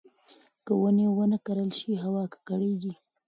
که ونې ونه کرل شي، هوا ککړېږي.